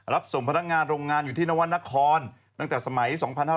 รับส่งพนักงานโรงงานอยู่ที่นวรรณครตั้งแต่สมัย๒๕๕๙